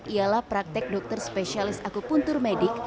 ialah praktek dokter spesialis aku puntur medik